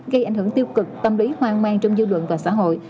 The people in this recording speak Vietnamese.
gây ảnh hưởng tiêu cực tâm lý hoang mang trong dư luận và xã hội